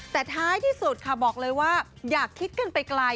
แต่ท้ายที่สุดค่ะบอกเลยว่าอย่าคิดกันไปไกล